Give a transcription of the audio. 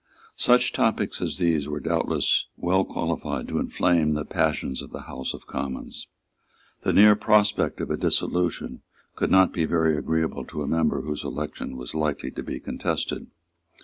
Such topics as these were doubtless well qualified to inflame the passions of the House of Commons. The near prospect of a dissolution could not be very agreeable to a member whose election was likely to be contested.